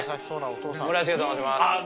村重と申します